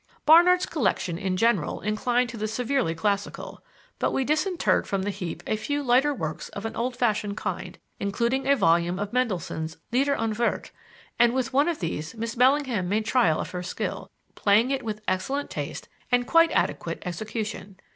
Barnard's collection in general inclined to the severely classical, but we disinterred from the heap a few lighter works of an old fashioned kind, including a volume of Mendelssohn's Lieder ohne Worte, and with one of these Miss Bellingham made trial of her skill, playing it with excellent taste and quite adequate execution.